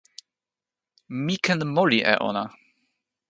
mi ken moli e ona!